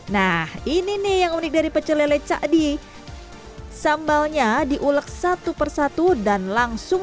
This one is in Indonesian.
nah ini nih yang unik dari pecel lele cak di sambalnya diulek satu persatu dan langsung